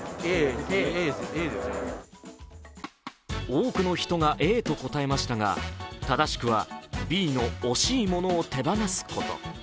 多くの人がＡと答えましたが正しくはＢの惜しい物を手放すこと。